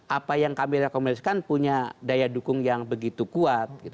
apa yang kami rekomendasikan punya daya dukung yang begitu kuat